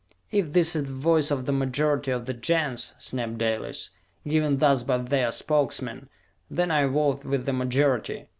"If this is the voice of the majority of the Gens," snapped Dalis, "given thus by their Spokesmen, then I vote with the majority!